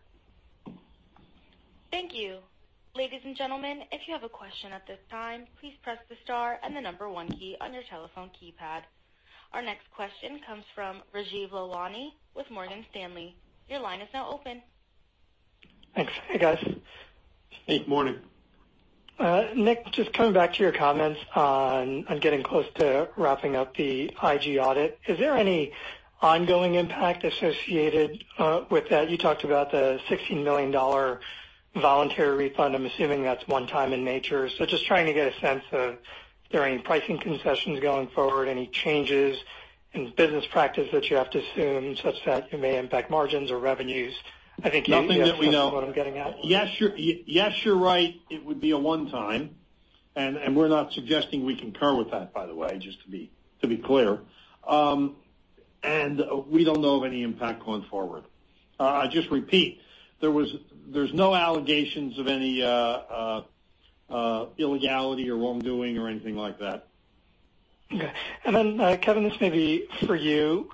Thank you. Ladies and gentlemen, if you have a question at this time, please press the star and the number one key on your telephone keypad. Our next question comes from Rajeev Lalwani with Morgan Stanley. Your line is now open. Thanks. Hey, guys. Hey, morning. Nick, just coming back to your comments on getting close to wrapping up the IG audit. Is there any ongoing impact associated with that? You talked about the $16 million voluntary refund. I am assuming that's one-time in nature. Just trying to get a sense of if there are any pricing concessions going forward, any changes in business practice that you have to assume such that you may impact margins or revenues. Nothing that we know. That's what I'm getting at. Yes, you're right. It would be a one-time. We're not suggesting we concur with that, by the way, just to be clear. We don't know of any impact going forward. I just repeat, there's no allegations of any illegality or wrongdoing or anything like that. Okay. Kevin, this may be for you.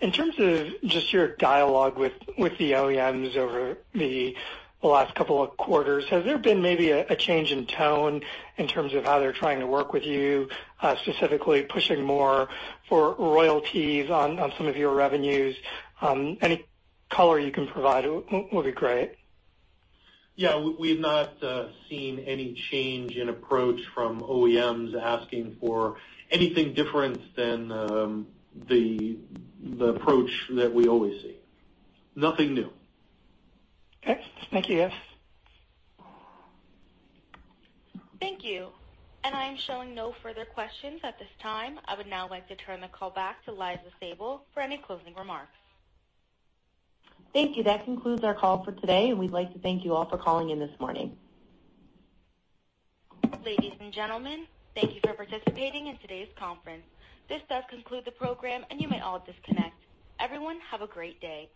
In terms of just your dialogue with the OEMs over the last couple of quarters, has there been maybe a change in tone in terms of how they're trying to work with you, specifically pushing more for royalties on some of your revenues? Any color you can provide would be great. Yeah, we've not seen any change in approach from OEMs asking for anything different than the approach that we always see. Nothing new. Okay. Thank you, guys. Thank you. I am showing no further questions at this time. I would now like to turn the call back to Liza Sabol for any closing remarks. Thank you. That concludes our call for today, and we'd like to thank you all for calling in this morning. Ladies and gentlemen, thank you for participating in today's conference. This does conclude the program. You may all disconnect. Everyone, have a great day.